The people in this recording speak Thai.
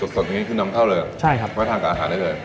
สดนี้คือน้ำข้าวเลยไว้ทานกับอาหารได้เลย